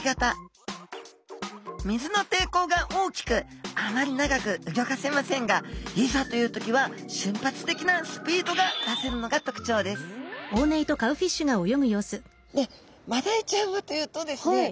水のていこうが大きくあまり長くうギョかせませんがいざという時は瞬発的なスピードが出せるのが特徴ですマダイちゃんはというとですね